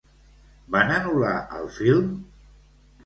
Van anul·lar el film?